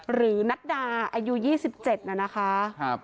หรือนัดดาอายุ๒๗นะคะ